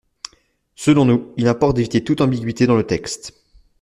Selon nous, il importe d’éviter toute ambiguïté dans le texte.